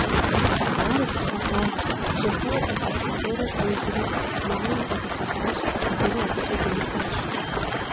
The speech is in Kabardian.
Ар зылъэгъуа, жьэхэуэ пэта шофёрыр къижри, нанэм бгъэдэлъэдащ, дэри абыкӀэ дунэтӀащ.